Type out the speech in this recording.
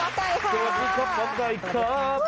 สวัสดีหมอกัยค่ะ